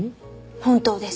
本当です。